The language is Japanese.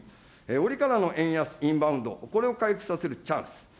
折からの円安、インバウンド、これを回復させるチャンス。